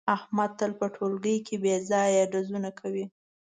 احمد تل په ټولگي کې بې ځایه ډزونه کوي.